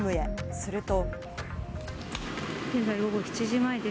すると。